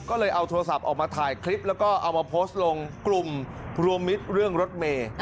ก็เลยเอาโทรศัพท์ออกมาถ่ายคลิปแล้วก็เอามาโพสต์ลงกลุ่มรวมมิตรเรื่องรถเมย์